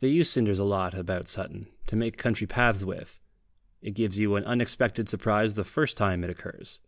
They use cinders a lot about Sutton, to make country paths with; it gives you an unexpected surprise the first time it occurs.